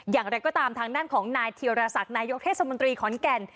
อย่างไรก็ตามทางด้านของนายธีรศักดิ์นายกเทศมนตรีขอนแก่น